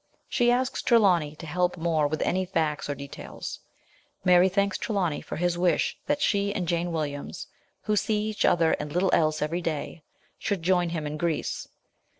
She asks Tre lawny to help Moore with any facts or details. Mary thanks Trelawny for his wish that she and Jane Williams, who see each other arid little else every day, should join him in Greece.